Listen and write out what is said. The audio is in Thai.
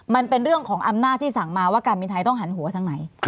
มันเป็นเรื่องของอำนาจที่สั่งมาว่าการบินไทยต้องหันหัวทางไหน